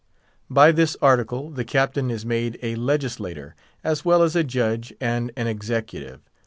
By this article the Captain is made a legislator, as well as a judge and an executive.